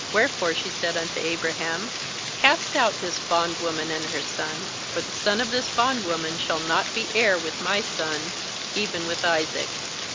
"Wherefore she said unto Abraham: 'Cast out this bondwoman and her son; for the son of this bondwoman shall not be heir with my son, even with Isaac.'